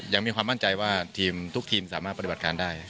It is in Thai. ยังมีความมั่นใจว่าทีมทุกทีมสามารถปฏิบัติการได้